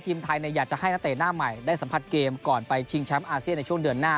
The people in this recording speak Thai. พี่ตีมไทยนายอยากจะให้ณตำใหม่ได้สัมหัสเพลงก่อนไปในช่วงเดือนหน้า